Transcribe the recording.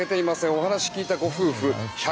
お話を聞いたご夫婦。